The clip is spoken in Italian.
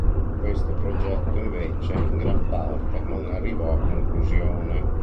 Questo progetto invece in gran parte non arrivò a conclusione.